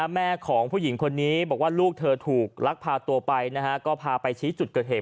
แม่ของผู้หญิงคนนี้บอกว่าลูกเธอถูกลักพาตัวไปก็พาไปชี้จุดเกิดเหตุ